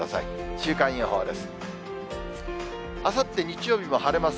週間予報です。